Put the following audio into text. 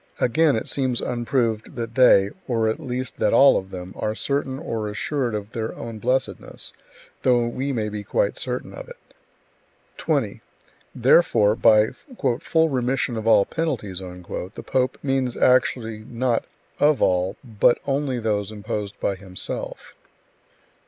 Again, it seems unproved that they, or at least that all of them, are certain or assured of their own blessedness, though we may be quite certain of it. 20. Therefore by "full remission of all penalties" the pope means not actually "of all," but only of those imposed by himself. 21.